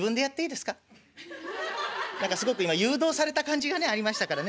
何かすごく今誘導された感じがねありましたからね。